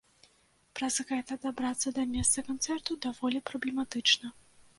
Праз гэта дабрацца да месца канцэрту даволі праблематычна.